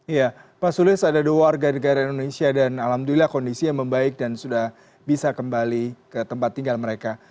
iya pak sulis ada dua warga negara indonesia dan alhamdulillah kondisi yang membaik dan sudah bisa kembali ke tempat tinggal mereka